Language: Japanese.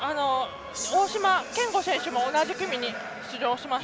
大島健吾選手も同じ組に出場します。